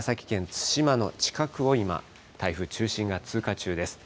対馬の近くを今、台風中心が通過中です。